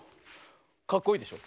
かっこいいでしょ。